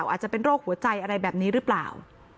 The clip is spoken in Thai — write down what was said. อาจจะเป็นโรคหัวใจอะไรแบบนี้หรือเปล่า